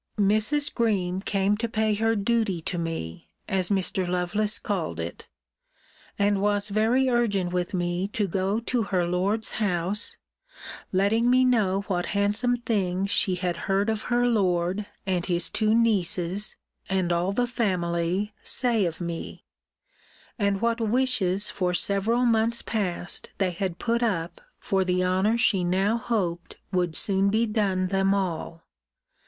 Mrs. Greme came to pay her duty to me, as Mr. Lovelace called it; and was very urgent with me to go to her lord's house; letting me know what handsome things she had heard of her lord, and his two nieces, and all the family, say of me; and what wishes for several months past they had put up for the honour she now hoped would soon be done them all.